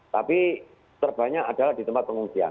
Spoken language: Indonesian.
tapi terbanyak adalah di tempat pengungsian